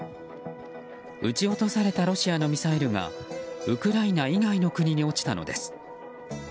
撃ち落とされたロシアのミサイルがウクライナ以外の国に落ちたのです。